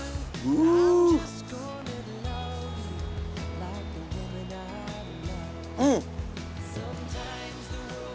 うんうん。